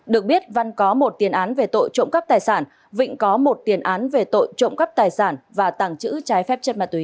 được biết văn có một tiền án về tội trộm cấp tài sản vịnh có một tiền án về tội trộm cấp tài sản và tặng chữ trái phép chất ma túy